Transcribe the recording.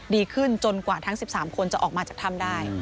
ดีขึ้นจนกว่าทั้ง๑๓คนจะออกมาจากถ้ำได้